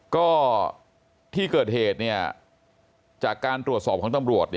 ก็ที่เกิดเหตุจากการตรวจสอบของตำรวจ